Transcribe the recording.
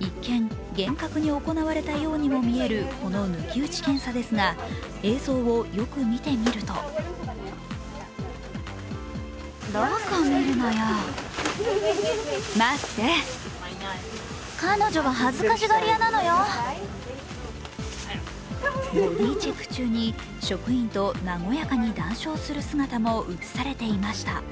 一見、厳格に行われたようにも見えるこの抜き打ち検査ですが映像をよく見てみるとボディーチェック中に職員と和やかに談笑する姿も映されていました。